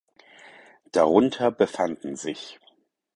Darunter befanden sich